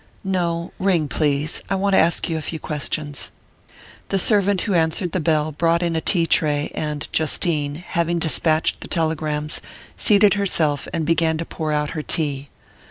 "No. Ring, please. I want to ask you a few questions." The servant who answered the bell brought in a tea tray, and Justine, having despatched the telegrams, seated herself and began to pour out her tea.